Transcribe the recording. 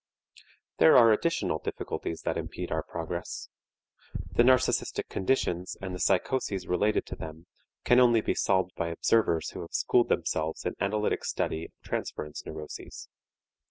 There are additional difficulties that impede our progress. The narcistic conditions and the psychoses related to them can only be solved by observers who have schooled themselves in analytic study of transference neuroses.